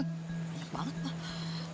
banyak banget pak